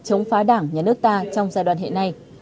chống phá đảng nhà nước ta trong giai đoạn hệ này